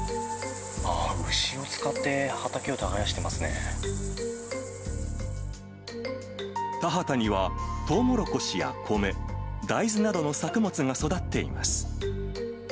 あー、田畑にはトウモロコシや米、大豆などの作物が育っています。